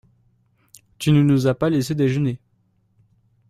Tu ne nous as pas laissés déjeuner !